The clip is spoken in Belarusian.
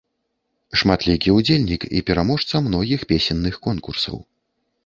Шматлікі ўдзельнік і пераможца многіх песенных конкурсаў.